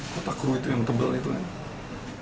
kota kru itu yang tebal itu kan